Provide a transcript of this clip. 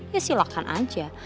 ya silakan aja